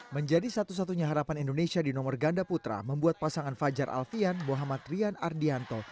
menjadi satu satunya harapan indonesia di nomor ganda putra membuat pasangan fajar alfian muhammad rian ardianto